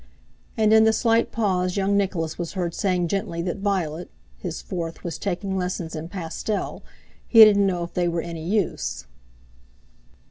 And in the slight pause young Nicholas was heard saying gently that Violet (his fourth) was taking lessons in pastel, he didn't know if they were any use.